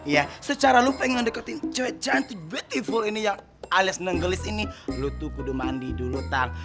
ya secara lo pengen deketin cewek cantik beautiful ini yang alias nenggelis ini lo tuh kudu mandi dulu tang